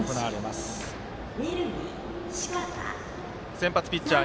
先発ピッチャー